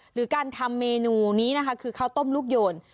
หรือการทำเมนูนี้นะคะคือข้าวต้มลูกโยน